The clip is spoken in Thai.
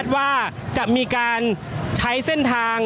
ก็น่าจะมีการเปิดทางให้รถพยาบาลเคลื่อนต่อไปนะครับ